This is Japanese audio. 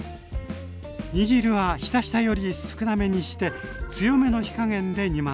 煮汁はひたひたより少なめにして強めの火加減で煮ます。